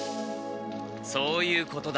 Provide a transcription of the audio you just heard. そういうことだ。